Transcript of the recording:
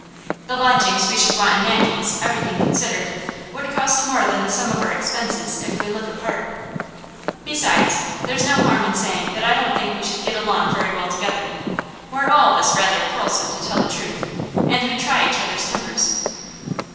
The lodgings we should want in that case, everything considered, would cost more than the sum of our expenses if we live apart. Besides, there's no harm in saying that I don't think we should get along very well together. We're all of us rather quarrelsome, to tell the truth, and we try each other's tempers.